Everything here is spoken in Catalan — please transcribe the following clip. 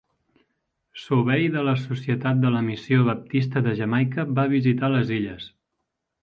Sobey de la Societat de la Missió Baptista de Jamaica va visitar les illes.